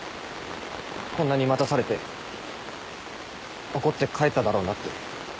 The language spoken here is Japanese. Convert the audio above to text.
こんなに待たされて怒って帰っただろうなって。